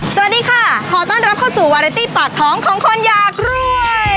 สวัสดีค่ะขอต้อนรับเข้าสู่วาเรตี้ปากท้องของคนอยากรวย